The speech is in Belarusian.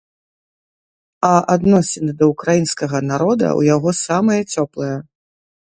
А адносіны да ўкраінскага народа ў яго самыя цёплыя.